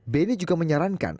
benny juga menyarankan